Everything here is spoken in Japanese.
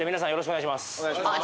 お願いします